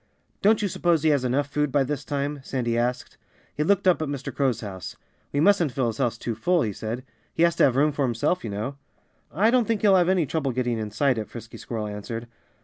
"Don't you suppose he has enough food by this time?" Sandy asked. He looked up at Mr. Crow's house. "We mustn't fill his house too full," he said. "He has to have room for himself, you know." "I don't think he'll have any trouble getting inside it," Frisky Squirrel answered.